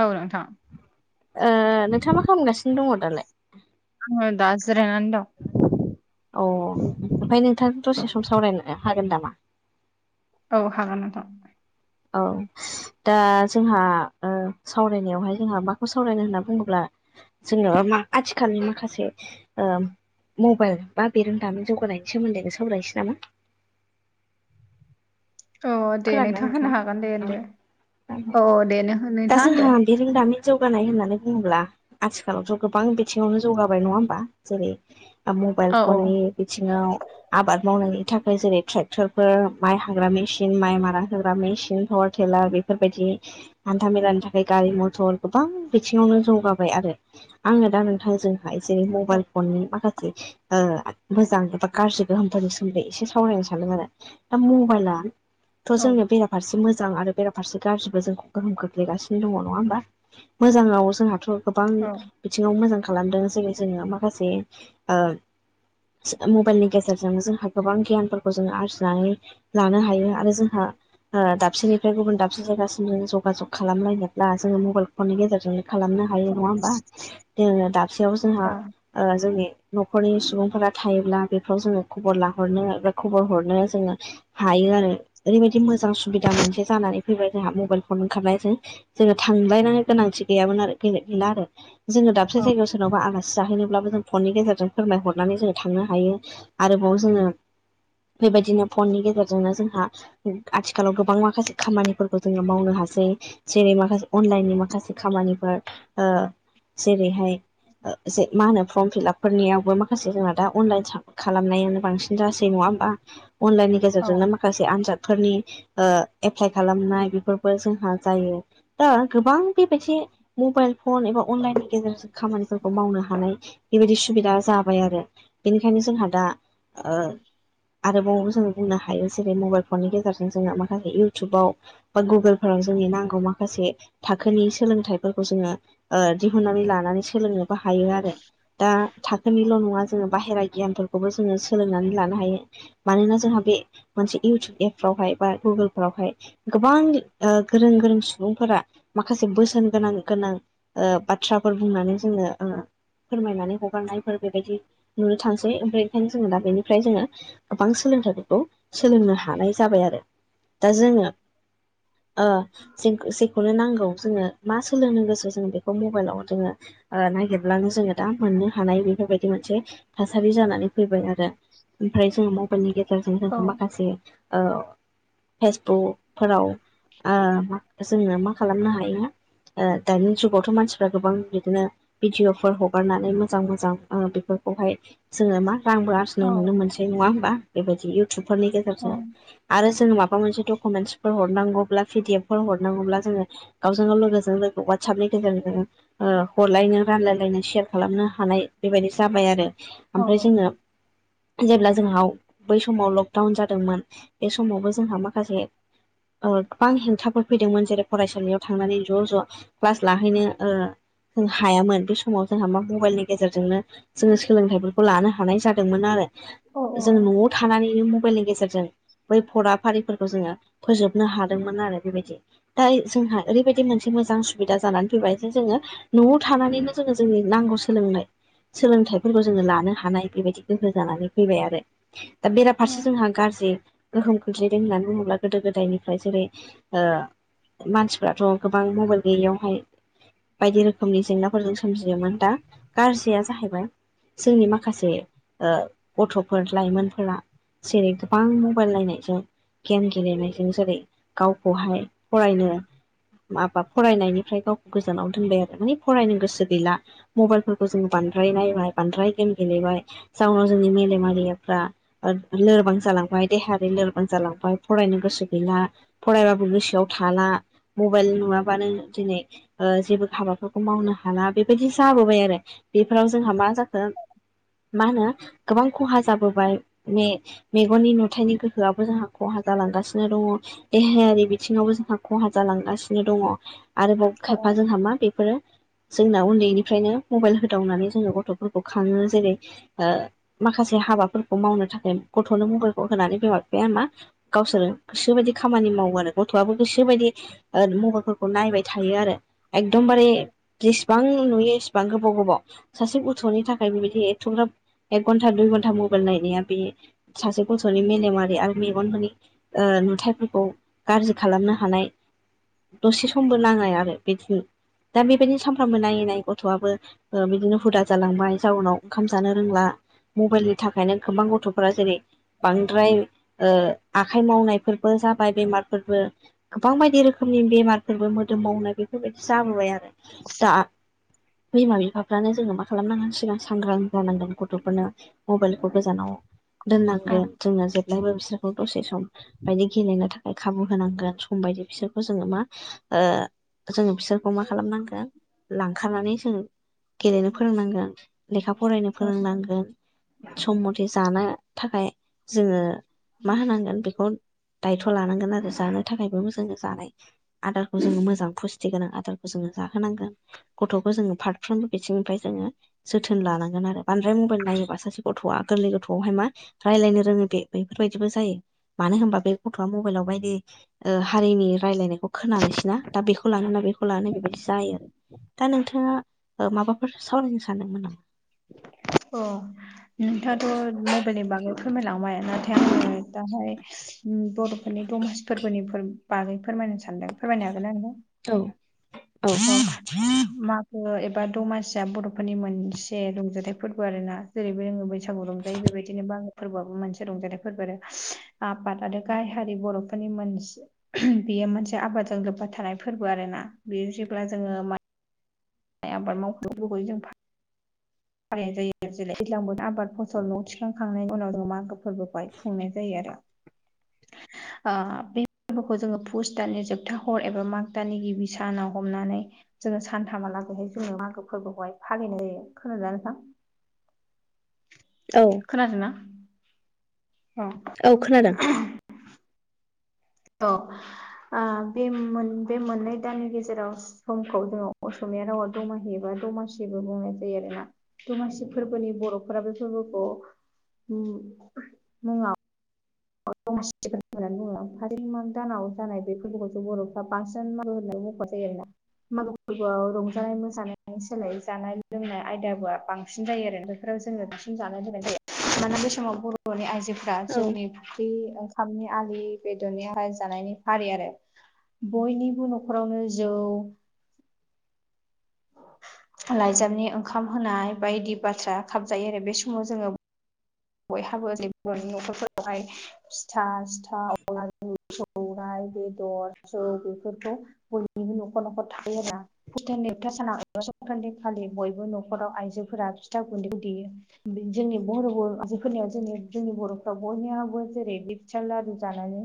औ नोंथां ओ नोंथाङा मा खालामगासिनो दङ दालाय? आङो दा जिरायनानै दं। औ ओमफ्राय नोंथाङ दसे सम सावरायनो हागोन नामा? औ हागोन नोंथां। औ। दा जोंहा सावरायनायावहाय जोंहा माखौ सावरायनो होनना बुङोब्ला? जोङो मा आथिखालनि माखासे ओ मबाइल बा बेरों दामि जगानायनि सोमोन्दैनो सावरायनोसै नामा? औ दे खोनादोंोन नोंथां होनो हागोन दे होनदो नोंथां औ औ दे नों दा नोंथाङा होनदो जोंहा बे रों दाम जौगानाय होननानै बुङोब्ला आथिखालावथ' गोबां बिथिङावनो जौगाबाय नङा होमबा? जेरै मबाइल औ फननि बिथिङाव आबाद मावनायनि थाखाय जेरै ट्रेक्टरफोर माइ हाग्रा मेसिन मन माइ मारा होग्रा मेसिन पावार टेलार बेफोरबायदि हान्था मेलानि थाखाय गारि मथर गोबां बिथिङावनो जौगाबाय आरो। आङो दा नोंथांजोंहाय जेरै औ मबाइल फननि माखासे ओ मोजां बा गाज्रि गोहामथनि सोमोन्दै एसे सावरायनो सानदों आरो दा मबाइला थ' औ जोंनो बेराफारसे मोजां आरो बेराफारसे गाज्रिबो जोंखौ गोहोम खोख्लैगासिनो दङ नङा होमबा? मोजाङाव जोंहाथ' गोबां औ बिथिङाव मोजां खालामदों जेरै जोङो माखासे ओ मबाइलनि गेजेरजों जोंहा गोबां गियानफोरखौ जोंङ आरजिनानै लानो हायो। आरो जोंहा दाबसेनिफ्राय गुबुन दाबसे साबसे जायगासिम जों जगाजग खालामलायनोब्ला जोङो मबाइल फननि गेजेरजों खालामनो हायो नङा होमबा? जो दाबसेयाव जोंहा जोंनि न'खरनि सुबुंफोरा थायोब्ला बे फाव जोङो खबर लाहरनोा खबर हरनो जोङो हायो आरो। ओरैबायदि मोजां सुबिदा मोनसे जानानै फैबाय जोंहा मबाइल फन ओंखारनाय जों जोङो थांलायनो गोनांथि गैयामोन आरो गे गैला आरो। जोङो दाबसे औ जायायाव सोरनबा आलासि जाहैनोब्लाबो जों फननि गेजेरजों फोरमायहरनानै जोङ थांनो हायो आरोबाव जोङो बेबायदिनो फननि गेजेरजोंनो जोंहा आथिखालाव गोबां माखासे खामानिफोरखौ जोङो मावनो हासै जेरै माखासे अनलाइननि माखासे खामानिफोर जेरैहाय ज मा होनो फर्म फिलापफोरनियावबो माखासे जोंना दा अनलाइन खालामनायानो बांसिन जासै नङा होमबा? अनलाइननि औ गेजेरजोंनो माखासे आनजाद फोरनि एप्लाइ खालामनाय बेफोरबो जोंहा जायो। दा गोबांदि फ मबाइल फन एबा अनलाइननि गेजेरजों खामानिफोरखौ मावनो हानाय बेबायदि सुबिदा जाबाय आरो। बेनिखायनो जोंहा दा आरोबावावबो जोंङ बुंनो हायो जेरै मबाइल फननि गेजेरजों जोंङो माखासे इउटुबाव बा गुगोलफोराव जोंनि नांगौ माखासे थाखोनि सोलोंथाइफोरखौ जोङो ओ दिहुननानै लानानै सोलोंनो बो हायो आरो दा थाखोनिल' नङा जोङो बाहेरा गियानफोर खौबो जोङो सोलोंनानै लानो हायो मानोना जोंहा बे मोनसे इउटुब एपफ्रावहाय बा गुगोलफ्रावहाय गोबां ओ गोरों गोरों सुबुंफोरा माखासे बोसोन गोनां गोनां ओ बाथ्राफोर बुंनानै जोंनो ओ फोरमायनानै हगारनायफोर बेबायदि नुनो थांसै ओमफ्राय ओंखायनो जोङो दा बेनिफ्राय जोङो गोबां सोलोंथाइफोरखौ सोलोंनो हानाय जाबाय आरो दा जोङो ओ जे-जे-जेखौनो नांगौ जोङो मा सोलोंनो गोसो जों बेखौ मबाइलाव जोङो नागिरब्लाङो जोङो दा मोननो हानाय बेफोरबायदि मोनसे थासारि जानानै फैबाय आ रो ओमफ्राय जोङो मबाइलनि गेजेरजों जोंहा माखासे ओ फेसबुक फोराव ओ जोङो मा खालामनो हायो ओ दानि जुगावथ' मानसिफ्रा गोबां बिदिनो भिडिअ'फोर हगारनानै मोजां मोजां ओ बेफोरखौहाय जोङो मा रांबबो आ औ जिनाय नुनो मोनसै नङा होमबा? बेबायदि इउटुबफोरनि गेजेरजों। आरो जोङो माबा मोनसे डकुमेन्टसफोर हरनांगौब्ला पिडिएफफोर हरनांगौब्ला जोङो गावजों गाव लोगोजों लोगो वाटसपनि गेजेरजों ओ हरलायनो रानलायलायनो सेयार खालामनो हानाय बेबायदि जाबाय आरो। औ ओमफ्राय जोङो जेब्ला जोंनाव बै समाव लकडाउन जादोंमोन बे समावबो जोंहा माखासे ओ गोबां हेंथाफोर फैदोंमोन जेरै फरायसालियाव थांनानै ज' ज' क्लास लाहैनो ओ हायामोन बे समाव जोंहा मा मबाइलनि गेजेरजोंनो जोङो सोलोंथाइफोरखौ लानो हानाय जादोंमोन आरो औ जोङो न'आव थानानैनो मबाइलनि गेजेरजों बै फराफारिफोरखौ जोङो फोजोबनो हादोंमोन आरो बेबायदि। दा जोंहा ओरैबायदि मोनसे मोजां सुबिदा जानानै फैबाय जे जोङो न'आव थानानैनो जोङो जोंनि नांगौ सोलोंनाय सोलोंथाइफोरखौ जोङो लानो हानाय बेबायदि गोहो जानानै फैबाय आरो। दा बेराफारसे जोंहा गाज्रि गोहोम खोख्लैदों होननानै बुङोब्ला गोदो गोदायनिफ्राय जेरै ओ मानसिफ्राथ' गोबां मबाइल गैयियावहाय बायदि रोखोमनि जेंनाफोरजों सोमजियोमोन दा गाज्रिया जाहैबाय जोंनि माखासे ओ गथ'फोर लाइमोनफोरा जेरै गोबां मबाइल नायनायजों गेम गेलेनायजों जेरै गावखौहाय फरायनो माबा फरायनायनिफ्राय गावखौ गोजानाव दोनबाय आरो मानिे फरायनो गोसो गैला। मबाइलफोरखौ जों बांद्राय नायबाय बांद्राय गेम गेलेबाय जाउनाव जोंनि मेलेमारियाफ्रा लोरबां जालांबाय देहायारि लोरबां जालांबाय फरायनो गोसो गैला फरायबाबो गोसोआव थाला मबाइल नङाबानो दिनै ओ जेबो हाबाफोरखौ मावनो हाला बेबायदि जाबोबाय आरो बेफोराव जोंहा मा जाखो मा होनो गोबां खहा जाबोबाय मे मेगननि नु न्थाइनि गोहोआबो जोंहा खहा जालांगासिनो दङ। देहायारि बिथिङावबो जोंहा खहा जालांगासिनो दङ। आरोबाव खायफाजोंहा मा बेफोरो जोंना उन्दैनिफ्रायनो मबाइल होदावनानै जोङो गथ'फोरखौ खाङो जेरै ओ माखासे हाबाफोरखौ मावनो थाखाय गथ'नो मुबाइलखौ होनानै बिमा बिफाया मा गावसोरो गोसो बायदि खामानि मावो आरो गथ'आबो गोसोबायदि ओ मबाइलफोरखौ नायबाय थायो आरो एकदम बारे जेसेबां नुयो एसे बा गोबाव गोबाव सासे उथ'नि थाखाय बेबायदि एथ'ग्राब एक घन्टा दुइ घन्टा मबाइल नायनाया बे सासे गथ'नि मेलेमारि आरो मेगनफोरनि ओ नुथायाइफोरखौ गाज्रि खालामनो हानाय दसे समबो नाङा आरो बिदिनो दा बेबायदिनो सानफ्रामबो नायै नायै गथ'आबो ओ बिदिनो हुदा जालांबाय जाउनाव ओंखाम जानो रोंला मबाइलनि थाखायनो गोबां गथ'फोरा जेरै बांद्राय आखाइ ओ मावनायफोरबो जाबाय बेमारफोरबो गोबां बायदि रोखोमनि बेमारफोरबो मोदोम मावनो बेफोरबायदि जाबोबाय आरो दा बिमा बिफाफ्रानो जोङो मा खालामनांगोन सिगां सांग्रां जानांगोन गथ'फोरनो मबाइलखौ गोजानाव दोननांगोन जोङो जेब्लायबो बिसोरखौ दसे सम बायदि गेलेनो थाखाय खाबु होनांगोन सम बायदि बिसोरखौ जोङो मा ओ जोङो बिसोरखौ मा खालामनांगोन लांखारनानै जों गेलेनो फोरोंनांगोन लेखा फरायनो फोरोंनांगोन सम मथे जानो थाखाय जोङो मा होनांगोन बेखौ दायथ' लानांगोन आरो जानो थाखायबो मोजां जानाय आदारखौ जोङो मोजां फुस्ति गोनां आदारखौ जोङो जाहोनांगोन गथ'खौ जोङो फारफ्रोमबो बि थिंनिफ्राय जोङो जोथोन लानांगोन आरो बांद्राय मबाइल नायोबा सासे गथ'आ गोरलै गथ'आवहाय मा राय्लायनो रोङो बे बेफोरबायदिबो जायो मानो होनबा बे गथ'आ मबाइलाव बायदि ओ हारिनि रायलायनाय खोनानोसैना दा बेखौ लाना बेखौ लानो बेबायदि जायो आरो दा नोंथाङा माबाफोर सावरायनो सानदोंमोन नामा अ नोंथाङाथ' मबाइलनि बागै फोरमायलांबाय नाथाय आङो दा मफ्राय बर'फोरनि दमासि फोरबोनि बागै फोरमायनो सानदों फोरमायनो हागोन ना नङो औ औ मागो एबा दमासिया बर'फोरनि मोनसे रंजाथाइ फोरबो आरो ना जेरैबो रोङो बैसागु रंजायो बेबायदिनोबो बा फोरबोआबो मोनसे रंजानाय फोरबो आरो आफाद आरो गाय हारि बर'फोरनि मोनसे बेयो मोनसे आबादजों लोब्बा थानाय फोरबो आरो ना बे जेब्ला जोङो म माइ आबाद [unintelligible] फालिनाय जायो जेरै दैज्लांबो आबाद फसल न' थिखां खांनायनि उनाव जों मागो फोरबोहाय खुंनाय जायो आरो [inaudible] ओ बि गुखौ जोङो फुस दाननि जोबथा हर एबा माग दानानि गिबि सानाव हमनानै जोङो सानथामहालागैहाय जोंनि मागो फोरबोखौहाय फालिनाय जायो खोनादोंना नोंथां औ खोनादों ना अ औ खोनादों औ ओ बे मोन-मोननै दाननि गेजेराव समखौ जोङो असमिया रावा दमाहि एबा दमासिबो बुंनाय जायो आरोना दमासि फोरबोनि बर'फोरा बे फोरबोखौ मुङाव दमासि होननानै बुङो ओमफ्राय माग दानाव जानाय बे फोरबोखौसो बर'फ्रा बांसिन माबो होननाय मख'नो [unintelligible] मागो फोरबोआव रंजानाय मोसानाय सोलाय जानाय लोंनाय आयदाबआ बांसिन जायो आरो फोराव जोङो बिसिन जानो दोननाय जायो मानोना बे समाव बर'नि आइजोफ्रा औ जौनि फि ओंखामनि आलि बेदरनिाय जानायनि फारि आरो बयनिबो न'खरावनो जौ लाइजामनि ओंखाम होनाय बायदि बाथ्रा खाबजायो आरो बे समाव जोङो बयहाबो जे बर'नि न'खरफोरावहाय फिथा सिथाव जुमाय बेदर जौ बेफोरखौ बयनिबो न'खर न'खर थायो आरो ना भुटोन नेबथा सानावखान्नि खालि बयबो न'खराव आइजोफोरा फिथा गुन्दैखौ देयो। बि जोंनि बर' ह जोंनि जोंनि बर' बयहाबो जेरै रिडसा रालु जाननानै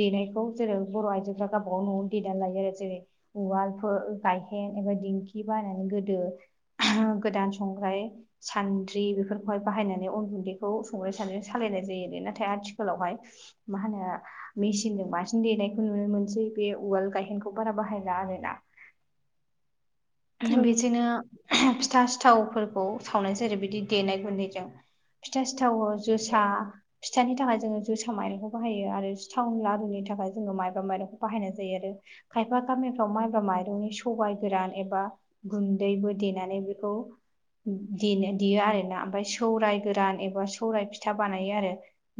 देनायखौ जेरै बर' आइजोफ गावबाागाव न'आवनो देनानै लायो आरो जेरै उवालफोर गायहेन एबा दिंखि बायनानै गोदो गोदान संग्राय सान्द्रि बेफोरखौहाय बाहायनानै अन गुन्दै खौ संग्राय साद्रि सालायनाय जायो नाथाय आथिखालावहाय मा होनो मेसिनजों बांसिन देनायखौ नुनो मोनसै बे उवाल गायहेनखौ बारा बाहायला आरो ना बिदिनो फिथा सिथावफोरखौ सावनाय जायो बिदि देनाय गुन्दैजों फिथा सिथावो जोसा फिथानि थाखाय जोङो जोसा माइरंखौ बाहायो आरो सिथावनि लारुनि थाखाय जोङो माइबा माइरंखौ बाहायनाय जायो आरो खायफा गामिफ्राव माइब्रा माइरंनि सबाय गोरान ए बा गुन्दैबो देनानै बेखौ देनो देयो आर ना ओमफ्राय सौराय गोरान एबा सौराय फिथा बानायो आरो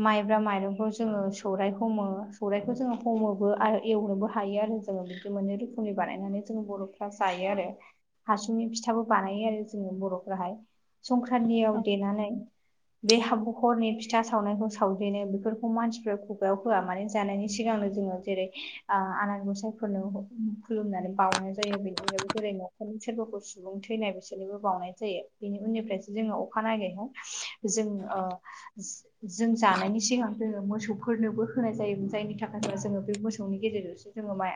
माइब्रा माइरंखौ जोङो सौराइ हमो सौराइखौ जोङो हमोबो आरो एवनोबो हायो आरो जोङो बे मोननै रोखोमनि बानायनानै जों बर'फ्रा जायो। आरो हासुंनि फिथाबो बानायो आरो जोङो बर'फोराहाय संक्रानियाव देनानै बे हखरनि फिथा सावनायखौ सावजेनो बेफोरखौ मानसिफ्रा खुगायाव होआ माने जानायनि सिगांनो जोङो जेरै आ आनान गसायफोरनो खुलुमनानै बावनाय जायो बिदिनो जेरै न'खरनि सोरबाफोर सुबुं थैनाय बिसोरनोबो बावनाय जायो। बेनि उननिफ्रायसो जोङो अखानायैहाय जों ओ जों जानायनि सिगां जोङो मोसौफोरनोबो होनाय जायोमोन जायनि थाखायबा जोङो बे मोसौनि गेजेरजों जोङो माइ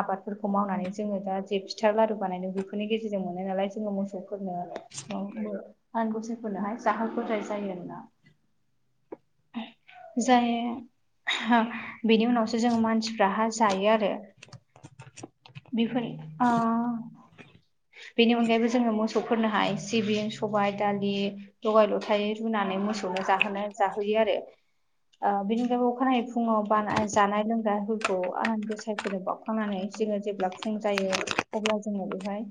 आबादफोरखौ मावनानै जोङो दा जे फिथाइ फिथा लारु बानायधाय बेफोरनि गेजेरजों मोनो नालाय जोङो मोसौफोरनो आरो माबो आनान गसायफोरनोहाय जाहोग्रोनाय जायो आरोना जाया बेनि उनावसो जों मानसिफ्रा जायो आरो बिफोर ओ बेनि अनगायैबो जोङो मोसौफोरनोहाय सिबिं सबाय दालि लगाय लथाय रुनानै मोसौनो जाहोनाय जाहोयो आरो ओ बिनि अनगायैबो अखानायै फुङाव बानाय जानाय लोंग्राफोरखौ आनान गसायफोरनो बाव खांनानै जोङो जेब्ला फुं जायो अब्ला जोङो बेवहाय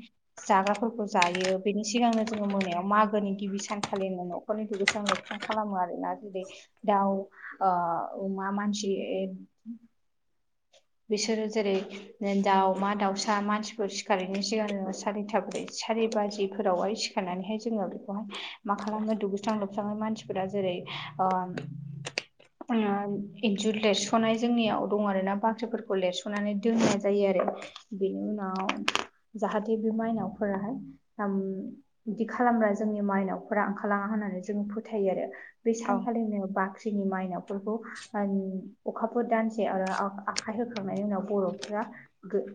जाग्राफोरखौ जायो बेनि सिगांनो जोङो मोनायाव मागोनि गिबि सानखालि मोनाव न'खरनि दुगैस्रां-लोबस्रां खालामो आरोना जेरै दाउ ओ अमा मानसि ओ बिसोरो जेरै दाउमा दाउसा मानसिफोर सिखारैनि सिगांनो सारेथा बै सारि बाजिफोरावहाय सिखारनानैहाय जोङो बेखौहाय मा खालामो दुगैस्रां लोबस्राङै फोरा जेरै ओम [unintelligible] इन्जुर लिरस'नाय जोंनियाव दं आरो ना बा सोफोरखौ लेरस'नानै दोननाय जायो आरो बेनि उनाव जाहाथे बे माइनावफोराहाय ओम बिदि खालामब्ला जोंनि माइनावफोरा ओंखारलाङा होननानै जों फोथायो आरो बे औ सानखिलिनो बाख्रिनि माइनावफोरखौ ओन अखाफोर दानसे आरो आं आखाइ होखांनायनि उनाव बर'फ्रा गो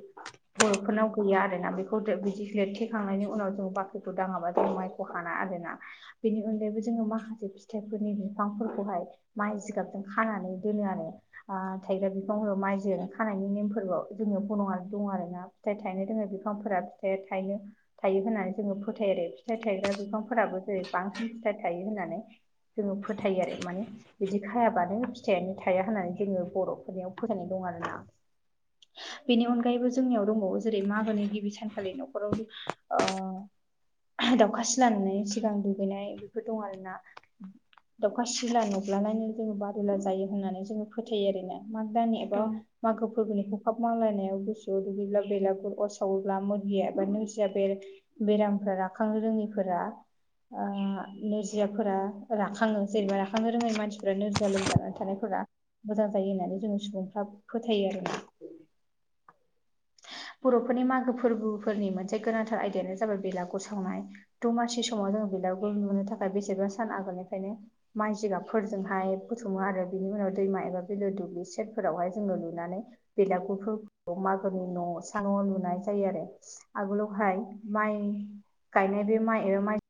बर'फोरनाव गैया आरोना बेखौ दो बिदि लिरथेखांनायनि उनाव जों बाख्रिखौ दाङाबा जों माय खौ हाना आरोना बेनि अनगायैबो जोङो माखासे फिथाइफोरनि बिफांफोरखौहाय माइ जिगाबजों खानानै दोनो आरो ओ थाइग्रा बिफांफोराव माइ जों खानायनि नेमफोरबो जोङो [inaudible] दं आरोना फिथाइ थायनो रोङि बिफांफोरा फिथाइया थाइनो थायो होननानै जोङो फोथायो आरो फिथाइ थायग्रा बिफांफोराबो जेरै बांसिन फिथाइ थायो होननानै। जोङो फोथायो आरो माने बिदि खायाबानो फिथाइयानो थाया होननानै जोङो बर'फोरनियाव फोथायनाय दं आरो ना। बेनि अनगायैबो जोंनियाव दंबावो जेरै मागोनि गिबि सानखालि न'खराव ओ दाउखा सिला नुयिनि सिगां दुगैनाय बेफोर दं आरोना। दाउखा सिला नुब्लालायनो जोङो बादुला जायो होननानै जोङो फोथायो आरोना माग दानि बा औ मागो फोरबोनि खखाब मावलायनायाव गुसुआव दुगैब्ला बेलागुर अर सावोब्ला महिया एबा नोरजिया बेर बेरामफोरा राखांनो रोङैफोरा ओ नोरजियाफोरा राखाङो जेनेबा राखांनो रोङै मानसिफोरा नोरजिया लोमजानानै थानायफोरा मोजां जायो होननानै जोंनि सुबुंफ्रा फोथायो आरो ना। [inaudible] बर'फोरनि मागो फोरबोफोरनि मोनसे गोनांथार आयदायानो जाबाय बेलागुर सावनाय। दमासि समाव जोङो बेलागुर लुनो थाखाय बेसेबा सान आगोलनिफ्रायनो माइ जिगाबफोरजोंहाय बुथुमो आरो बिनि उनाव दैमा एबा बिलो दुब्लि सेरफोरावहाय जोङो लुनानै बेलागुरफोरखौ मागोनि न' सानाव लुनाय जायो आरो। आगोलावहाय माइ गायनोबे माइ एबा माइ